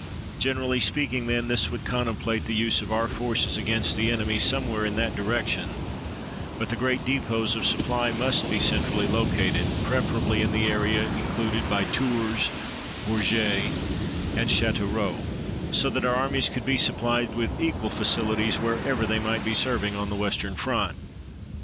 Generally speaking, then, this would contemplate the use of our forces against the enemy somewhere in that direction, but the great depots of supply must be centrally located, preferably in the area included by Tours, Bourges, and Châteauroux, so that our armies could be supplied with equal facility wherever they might be serving on the western front.